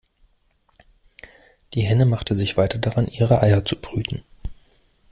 Die Henne machte sich weiter daran, ihre Eier zu brüten.